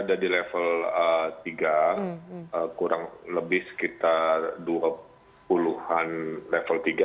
ada di level tiga kurang lebih sekitar dua puluh an level tiga